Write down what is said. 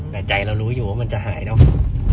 แต่ใจเรารู้อยู่ว่ามันจะหายเนอะ